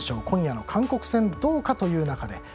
今夜の韓国戦がどうかという中で。